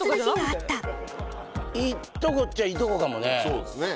そうっすね